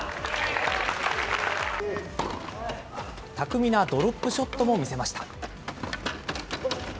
巧みなドロップショットも見せました。